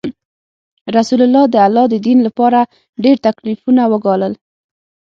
رسول الله د الله د دین لپاره ډیر تکلیفونه وګالل.